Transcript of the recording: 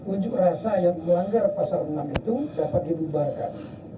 unjuk rasa yang melanggar pasal enam itu dapat dibubarkan